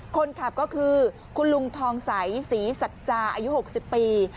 คนขับก็คือคุณลุงทองใสศรีสัจจาอายุ๖๐ปี